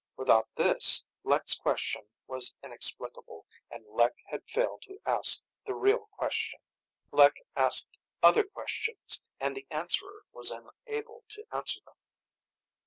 Without this, Lek's question was inexplicable, and Lek had failed to ask the real question. Lek asked other questions, and Answerer was unable to answer them.